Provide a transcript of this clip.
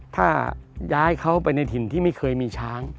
ถ้าย้ายเขาไปในถิ่นที่ไม่เคยมีช้าง